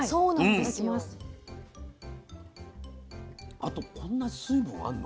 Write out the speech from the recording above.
あとこんな水分あんの？